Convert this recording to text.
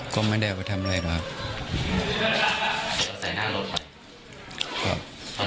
ก็ไม่ได้เอาไปทำอะไรหรอกครับ